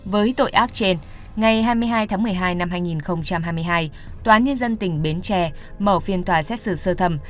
với tội ác trên ngày hai mươi hai tháng một mươi hai năm hai nghìn hai mươi hai tòa án nhân dân tỉnh bến tre mở phiên tòa xét xử sơ thẩm